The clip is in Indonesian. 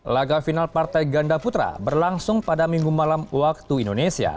laga final partai ganda putra berlangsung pada minggu malam waktu indonesia